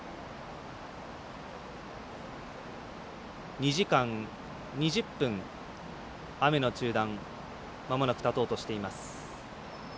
２時間２０分、雨の中断まもなく、たとうとしています。